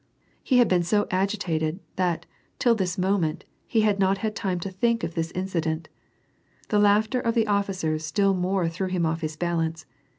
He had been so agitated, that, till this moment, he had not had time to think of this incident. The laughter of the offi cers still more threw him off his balance.